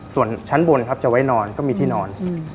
ส่วนชั้นบนครับจะไว้นอนก็มีที่นอน